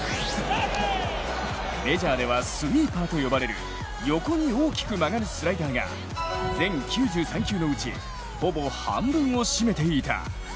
メジャーでは、スイーパーと呼ばれる横に大きく曲がるスライダーが全９３球のうちほぼ半分を占めていた。